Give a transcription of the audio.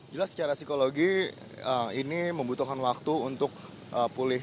jelas secara psikologi ini membutuhkan waktu untuk pulih